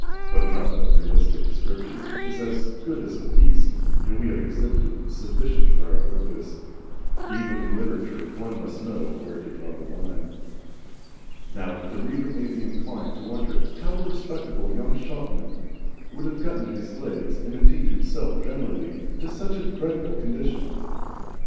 But enough of realistic description is as good as a feast, and we have exhibited enough for our purpose. Even in literature one must know where to draw the line. Now the reader may be inclined to wonder how a respectable young shopman should have got his legs, and indeed himself generally, into such a dreadful condition.